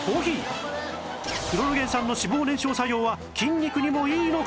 クロロゲン酸の脂肪燃焼作用は筋肉にもいいのか？